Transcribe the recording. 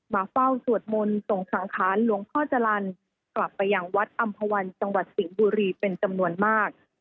มาเฝ้าสวดมนต์ส่งสังขารหลวงพ่อจรรย์กลับไปยังวัดอำภาวันจังหวัดสิงห์บุรีเป็นจำนวนมาก